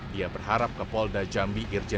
dia berharap kapolda jambi ircana